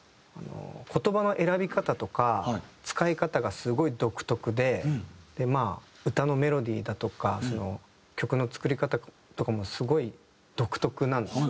言葉の選び方とか使い方がすごい独特でまあ歌のメロディーだとか曲の作り方とかもすごい独特なんですよね。